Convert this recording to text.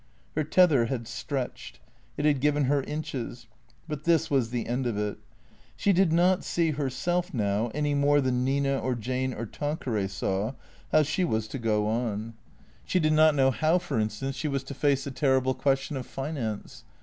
Her tether had stretched ; it had given her inches ; but this was the end of it. She did not see, herself, now, any more than Nina or Jane or Tanqueray saw, how she was to go on. 303 304 T H E C R E A T 0 E S She did not know how, for instance, she was to face the terrible question of finance.